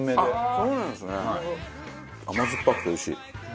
甘酸っぱくておいしい。